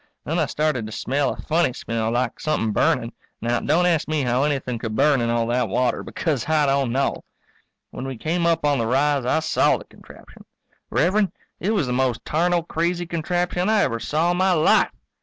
Then I started to smell a funny smell, like somethin' burning. Now, don't ask me how anything could burn in all that water, because I don't know. When we came up on the rise I saw the contraption. Rev'rend, it was the most tarnal crazy contraption I ever saw in my life.